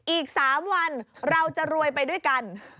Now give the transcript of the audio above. อีก๓วันเราจะรวยไปด้วยกัน